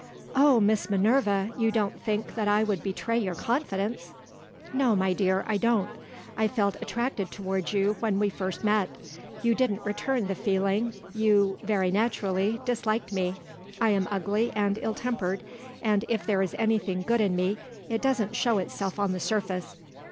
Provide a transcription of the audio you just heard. "Oh, Miss Minerva! you don't think that I would betray your confidence?" "No, my dear, I don't. I felt attracted towards you, when we first met. You didn't return the feeling you (very naturally) disliked me. I am ugly and ill tempered: and, if there is anything good in me, it doesn't show itself on the surface.